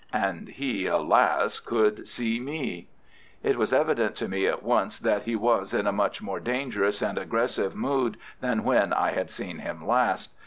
And he, alas, could see me! It was evident to me at once that he was in a much more dangerous and aggressive mood than when I had seen him last.